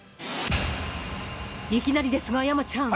いきなりですが、山ちゃん。